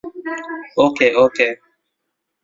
ওকে, ওকে!